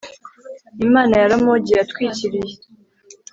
imana ya ramogi yatwikiriye